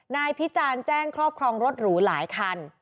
พิจารณ์แจ้งครอบครองรถหรูหลายคัน